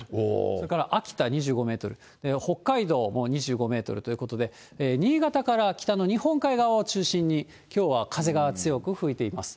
それから秋田２５メートル、北海道も２５メートルということで、新潟から北の日本海側を中心に、きょうは風が強く吹いています。